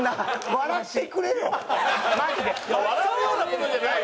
笑うような事じゃない。